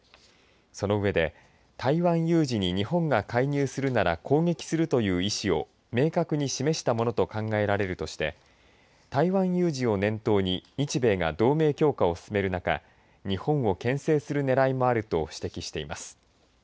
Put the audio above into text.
その上で台湾有事に日本が介入するなら攻撃するという意思を明確に示したものと考えられるとして台湾有事を念頭に日米が同盟強化を進める中日本を、けん制するねらいもあると指摘しています。